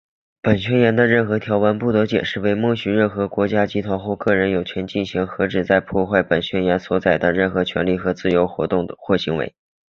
本宣言的任何条文,不得解释为默许任何国家、集团或个人有权进行任何旨在破坏本宣言所载的任何权利和自由的活动或行为。